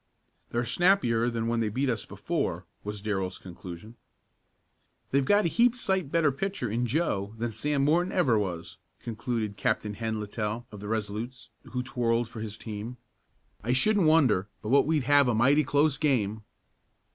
"They're snappier than when they beat us before," was Darrell's conclusion. "They've got a heap sight better pitcher in Joe than Sam Morton ever was," concluded Captain Hen Littell of the Resolutes, who twirled for his team. "I shouldn't wonder but what we'd have a mighty close game."